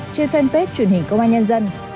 trên fanpage truyền hình công an nhân dân